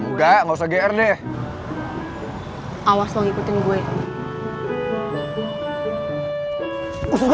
emang gue mau berjalan kok